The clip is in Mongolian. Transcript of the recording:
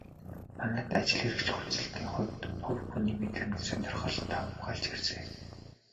Манайд ажил хэрэгч хувцаслалтын хувьд хувь хүний мэдрэмж, сонирхол давамгайлж ирсэн.